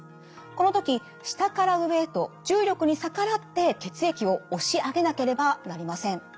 この時下から上へと重力に逆らって血液を押し上げなければなりません。